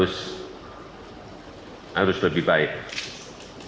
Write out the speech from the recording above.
oleh sebab itu secara detail yang berikutnya harus kita perbaiki